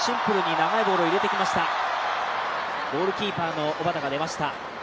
ゴールキーパーの小畑が出ました。